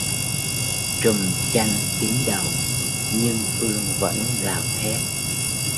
Trùm chăn kín đầu nhưng phương vẫn gào thét